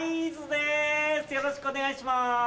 よろしくお願いします。